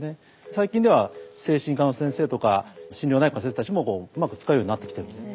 最近では精神科の先生とか心療内科の先生たちもうまく使うようになってきてるんです。